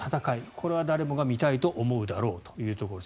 これは誰もが見たいと思うだろうという。